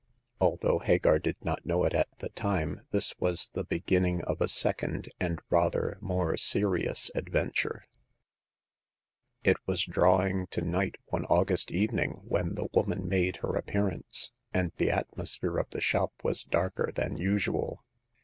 Although Hagar did not know it at the time, this was the beginning of a second and rather more serious adventure. It was drawing to night one Auga^t ^m^wnxnj^ 62 Hagar of the Pawn Shop. when the woman made her appearance, and the atmosphere of the shop was darker than usual.